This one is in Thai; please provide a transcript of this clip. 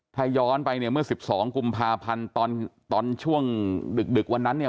ถ้าย้อนไปเนี่ยเมื่อ๑๒กุมภาพันธ์ตอนช่วงดึกวันนั้นเนี่ย